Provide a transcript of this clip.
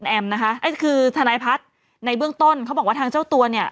แอมนะคะอันนี้คือทนายพัฒน์ในเบื้องต้นเขาบอกว่าทางเจ้าตัวเนี่ย